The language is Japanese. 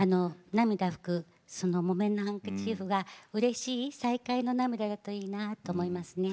涙拭くその木綿のハンカチーフがうれしい再会の涙だといいなと思いますね。